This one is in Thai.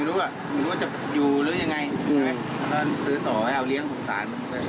รู้ว่าจะอยู่หรือยังไงถ้าซื้อต่อให้เอาเลี้ยงสงสาร